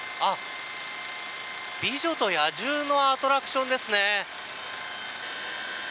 「美女と野獣」のアトラクションですね！